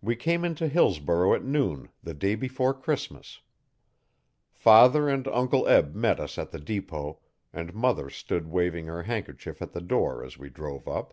We came into Hillsborough at noon the day before Christmas. Father and Uncle Eb met us at the depot and mother stood waving her handkerchief at the door as we drove up.